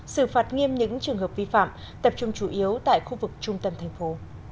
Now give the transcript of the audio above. xử phạt nghiêm những trường hợp vi phạm tập trung chủ yếu tại khu vực trung tâm thành phố